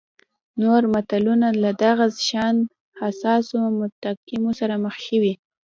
نور ملتونه له دغه شان حساسو مقطعو سره مخ شوي.